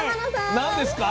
何ですか？